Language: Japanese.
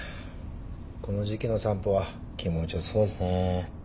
この時季の散歩は気持ちよさそうですね。